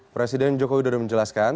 presiden jokowi sudah menjelaskan